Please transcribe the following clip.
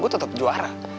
gua tetep juara